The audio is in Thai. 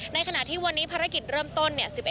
ในขณะที่วันนี้ภารกิจเริ่มต้นเนี่ย